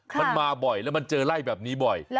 มันมาบ่อยแล้วมันเจอไล่แบบนี้บ่อย